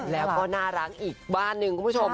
แล้วก็น่ารักอีกบ้านหนึ่งคุณผู้ชม